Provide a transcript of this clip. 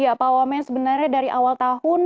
ya pak wamen sebenarnya dari awal tahun